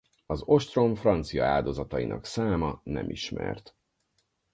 Az ostrom francia áldozatainak száma nem ismert.